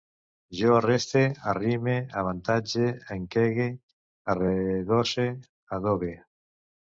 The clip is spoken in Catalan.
Jo arreste, arrimere, avantatge, anquege, arredosse, adobe